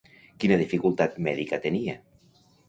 Quina dificultat mèdica tenia?